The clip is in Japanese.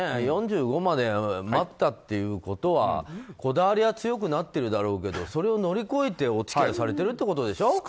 ４５まで待ったということはこだわりは強くなってるだろうけどそれを乗り越えてお付き合いされているということでしょ。